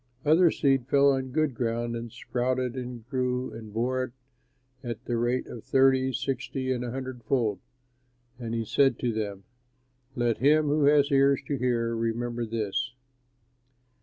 Other seed fell on good soil, and sprouted and grew and bore at the rate of thirty, sixty, and a hundredfold." And he said to them, "Let him who has ears to hear, remember this."